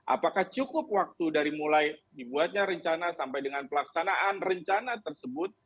apakah cukup waktu dari mulai dibuatnya rencana sampai dengan pelaksanaan rencana tersebut